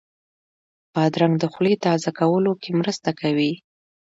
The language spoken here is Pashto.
بادرنګ د خولې تازه کولو کې مرسته کوي.